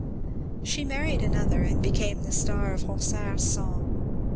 She married another and became the star of Ronsard's song.